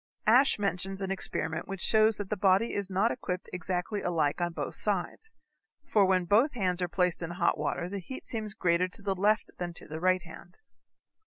Ashe mentions an experiment which shows that the body is not equipped exactly alike on both sides, for when both hands are placed in hot water the heat seems greater to the left than to the right hand.